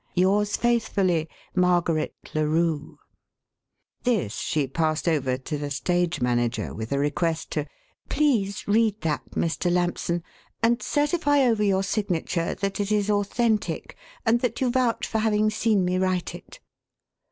Yours faithfully, MARGARET LARUE. This she passed over to the stage manager, with a request to "Please read that, Mr. Lampson, and certify over your signature that it is authentic, and that you vouch for having seen me write it."